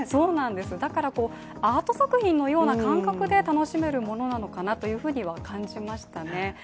だからアート作品のような感覚で楽しめるものなのかなというふうには感じましたね